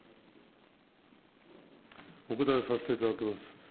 お答えさせていただきます。